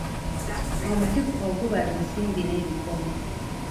Omuti ogubala ensimbi n'ebikomo.